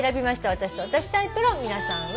私と私タイプの皆さんは。